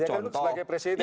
dia kan sebagai presiden